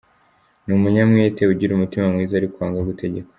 Ni umunyamwete, ugira umutima mwiza ariko wanga gutegekwa.